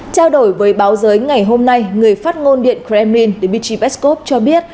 trao đổi với báo giới ngày hôm nay người phát ngôn điện kremlin dmitry peskov cho biết